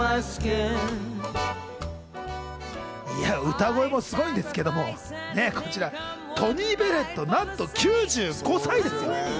歌声もすごいんですけど、こちらトニー・ベネット、なんと９５歳です。